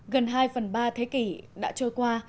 gần hai phần ba thế kỷ đã trôi qua